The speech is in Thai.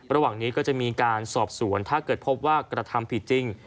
ระหว่างนี้ก็จะมีการสอบสวนถ้าเกิดพบว่ากระทำผิดจริง